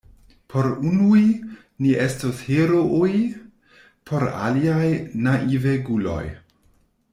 Por unuj, ni estos herooj; por aliaj, naiveguloj.